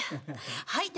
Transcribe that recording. はい。